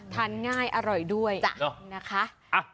ทานง่ายอร่อยด้วยจ้ะนะคะอ่ะ